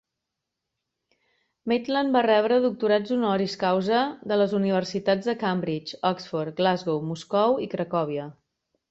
Maitland va rebre doctorats honoris causa de les universitats de Cambridge, Oxford, Glasgow, Moscou i Cracòvia.